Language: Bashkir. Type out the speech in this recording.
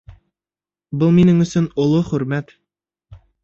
Был минең өсөн оло хөрмәт.